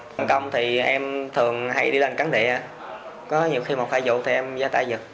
công an thì em thường hay đi lên cắn địa